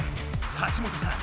橋本さん